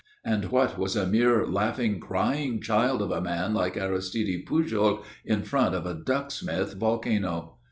And what was a mere laughing, crying child of a man like Aristide Pujol in front of a Ducksmith volcano?